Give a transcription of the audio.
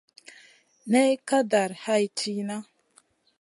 Ney ka dari hay tìhna.